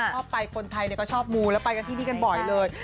ชอบไปคนไทยก็ชอบมูแล้วไปกันที่นี่กันบ่อยเลย